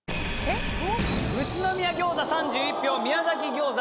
宇都宮餃子３１票宮崎餃子